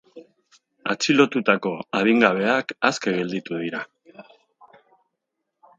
Atxilotutako adingabeak aske gelditu dira.